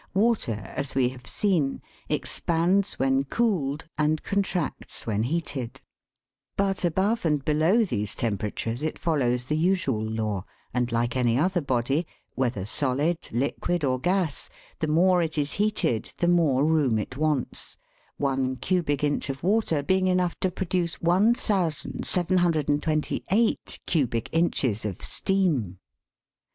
water, as we have seen, expands when cooled and contracts when heated ; but above and below these temperatures it follows the usual law, and like any other body, whether solid, liquid, or gas, the more it is heated the more room it wants, one cubic inch of water being enough to produce 1,728 cubic inches of steam.